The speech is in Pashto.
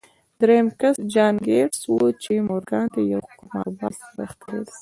درېيم کس جان ګيټس و چې مورګان ته يو قمارباز سړی ښکارېده.